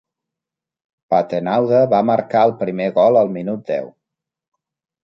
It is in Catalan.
Patenaude va marcar el primer gol al minut deu.